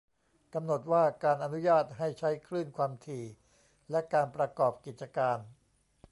กำหนดว่า การอนุญาตให้ใช้คลื่นความถี่ และ การประกอบกิจการ